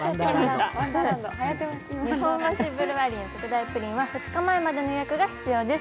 ニホンバシブルワリーの特大プリンは２日前までの予約が必要です。